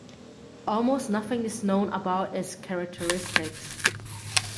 Almost nothing is known about its characteristics.